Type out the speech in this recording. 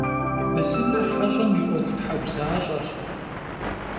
Bısımır heş'em yi 'Uexuthebzaş'eş.